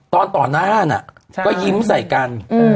ตอนตอนนั้นก็ยิ้มใส่กัน